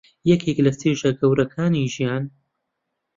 یەکێکە لە چێژە گەورەکانی ژیان.